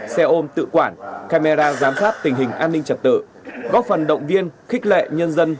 xe ôm tự quản camera giám sát tình hình an ninh trật tự góp phần động viên khích lệ nhân dân